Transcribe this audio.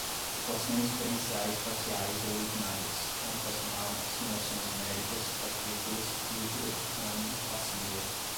equações diferenciais parciais ou ordinárias, computacional, simulações numéricas, partículas, micro, nano, passível